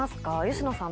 吉野さん